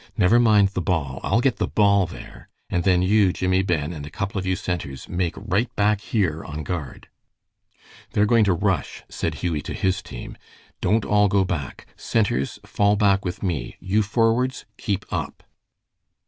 Never mind the ball. I'll get the ball there. And then you, Jimmie Ben, and a couple of you centers, make right back here on guard." "They're going to rush," said Hughie to his team. "Don't all go back. Centers fall back with me. You forwards keep up."